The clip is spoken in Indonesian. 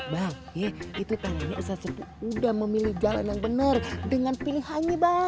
bang ya itu tarianya ustadz sepuluh udah memilih jalan yang bener dengan pilihannya bang